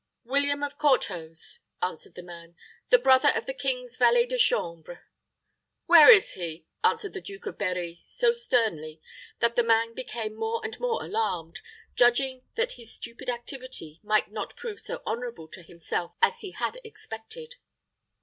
"William of Courthose," answered the man; "the brother of the king's valet de chambre." "Where is he?" asked the Duke of Berri, so sternly, that the man became more and more alarmed, judging that his stupid activity might not prove so honorable to himself as he had expected.